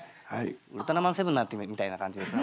ウルトラマンセブンになってるみたいな感じですね。